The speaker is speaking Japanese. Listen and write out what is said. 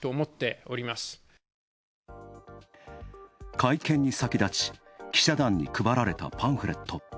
会見に先立ち、記者団に配られたパンフレット。